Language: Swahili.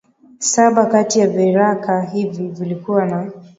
Saba kati ya viraka hivi vilikuwa na